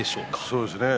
そうですね。